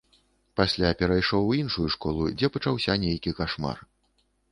Пасля перайшоў у іншую школу, дзе пачаўся нейкі кашмар.